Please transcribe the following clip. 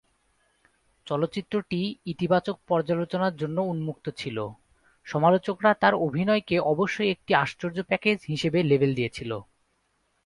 চলচ্চিত্রটি ইতিবাচক পর্যালোচনার জন্য উন্মুক্ত ছিল, সমালোচকরা তার অভিনয়কে "অবশ্যই একটি আশ্চর্য প্যাকেজ" হিসাবে লেবেল দিয়েছিল।